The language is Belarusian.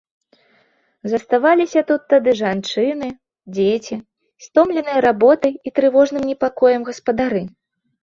Заставаліся тут тады жанчыны, дзеці, стомленыя работай і трывожным непакоем гаспадары.